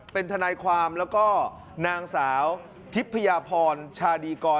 เป็นทนายความแล้วก็นางสาวทิพยาพรชาดีกร